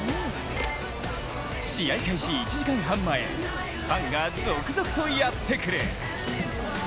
試合開始１時間半前ファンが続々とやってくる。